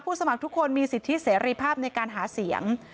สมัครทุกคนมีสิทธิเสรีภาพในการหาเสียง